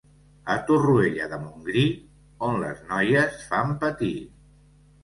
A Torroella de Montgrí, on les noies fan patir.